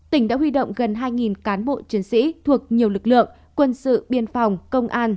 tỉnh đã huy động gần hai cán bộ chiến sĩ thuộc nhiều lực lượng quân sự biên phòng công an